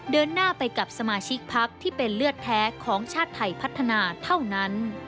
เดินหน้าไปกับสมาชิกพักที่เป็นเลือดแท้ของชาติไทยพัฒนาเท่านั้น